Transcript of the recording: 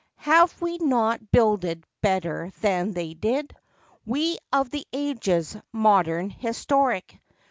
Have we not builded better than they did ? We of the ages modern, historic.